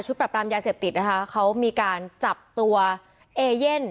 ปรับปรามยาเสพติดนะคะเขามีการจับตัวเอเย่น